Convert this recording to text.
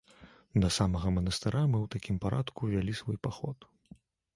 Да самага манастыра мы ў такім парадку вялі свой паход.